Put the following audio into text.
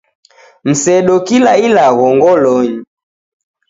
Msedo kila ilagho ngolonyi.